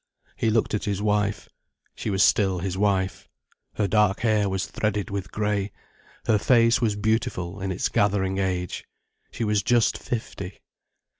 He looked at his wife. She was still his wife. Her dark hair was threaded with grey, her face was beautiful in its gathering age. She was just fifty.